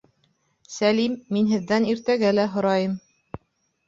Сәлим, мин һеҙҙән иртәгә лә һорайым